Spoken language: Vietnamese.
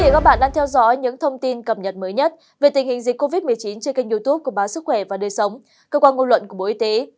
các bạn đang theo dõi những thông tin cập nhật mới nhất về tình hình dịch covid một mươi chín trên kênh youtube của bán sức khỏe và đời sống cơ quan ngôn luận của bộ y tế